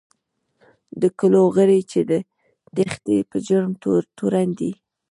د کلو غړي چې د تېښتې په جرم تورن دي.